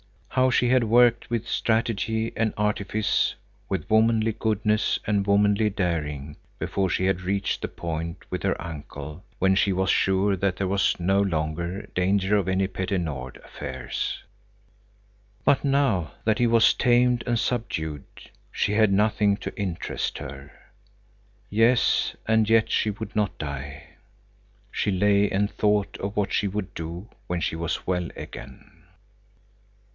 How she had worked with strategy and artifice, with womanly goodness and womanly daring, before she had reached the point with her uncle when she was sure that there was no longer danger of any Petter Nord affairs! But now that he was tamed and subdued, she had nothing to interest her. Yes, and yet she would not die! She lay and thought of what she would do when she was well again.